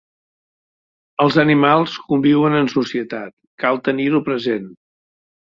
Els animals conviuen en societat, cal tenir-ho present.